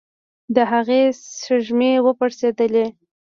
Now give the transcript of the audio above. د هغې سږمې وپړسېدلې.